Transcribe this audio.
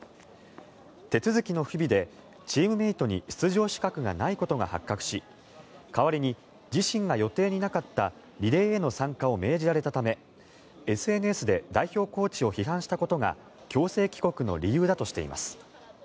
手続きの不備でチームメートに出場資格がないことが発覚し代わりに自身が予定になかったリレーへの参加を命じられたためＳＮＳで代表コーチを批判したことが強制帰国の理由だとしています。